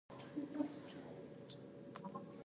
د پوزې له لارې د ژورې ساه اخیستل د ذهن فشار کموي.